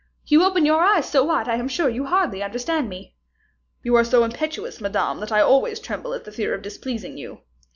You open your eyes so wide that I am sure you hardly understand me." "You are so impetuous, Madame, that I always tremble at the fear of displeasing you."